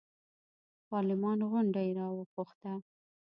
پارلمان غونډه یې راوغوښته.